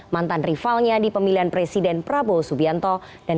mantan rivalnya di pemilihan presiden prabowo subianto dan ketua umum pan zulkifli hasan